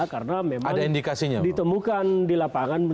karena memang ditemukan di lapangan